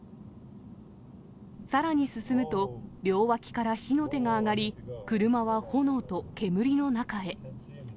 さらに進むと、両脇から火の手が上がり、車は炎と煙の中へ。